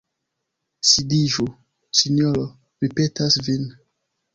Sidiĝu, sinjoro, mi petas vin.